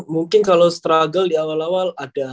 mungkin kalau struggle di awal awal ada